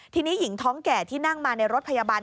ทีนี้หญิงท้องแก่ที่นั่งมาในรถพยาบาล